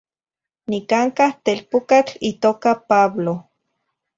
Nicancah telpucatl itoca Pablo.